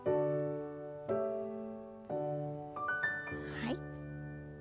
はい。